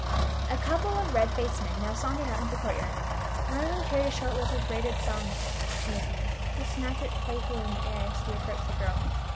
A couple of red faced men now sauntered out into the courtyard ; one of them carried a short whip of braided thongs in his hand, he snapped it playfully in the air as he approached the girl.